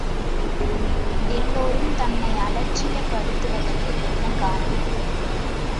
எல்லோரும் தன்னை அலட்சியப் படுத்துவதற்கு என்ன காரணம்?